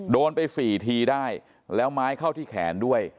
โดนไป๔ทีได้แล้วไม้เข้าที่แขนด้วย